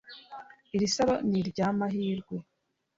iri saro nirya mahirwe